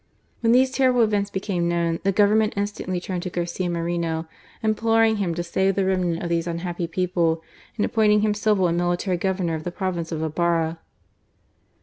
When these terrible events became known, the Government instantly turned to Garcia Moreno, imploring him to save the remnant of these unhappy people, and appointing him civil and military Governor of the province of Ibarra.